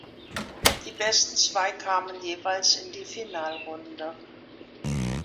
Die besten zwei kamen jeweils in die Finalrunde.